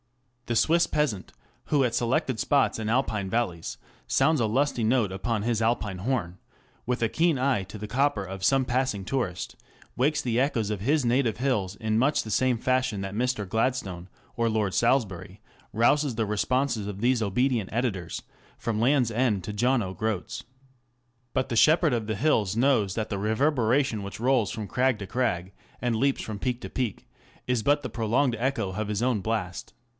The Swiss peasant, who at selected spots in Alpine valleys sounds a lusty note upon his Alpine horn, with a keen eye to the copper of some passing tourist, wakes the echoes of his native hills in much the same fashion that Mr. Gladstone or Lord Salisbury rouses the responses of these obedient editors from Land's End to John o' Groat's. But the shepherd of the hills knows that the reverberation which rolls from crag to crag, and leaps from peak to peak, is but the prolonged echo of his own blast.